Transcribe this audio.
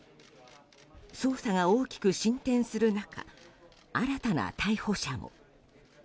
捜査が大きく進展する中新たな逮捕者も。